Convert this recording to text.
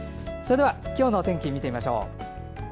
それでは今日の天気見てみましょう。